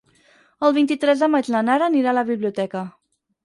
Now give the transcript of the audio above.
El vint-i-tres de maig na Nara anirà a la biblioteca.